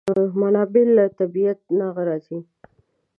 منابع له طبیعت نه راځي.